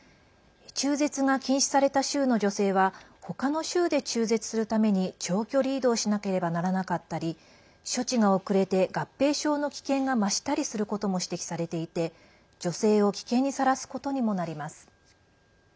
中絶が禁止された州の女性はほかの州で中絶するために長距離移動しなければならなかったり処置が遅れて合併症の危険が増したりすることも指摘されていて女性を危険にさらすことにもなります。